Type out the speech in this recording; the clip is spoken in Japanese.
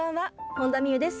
本田望結です。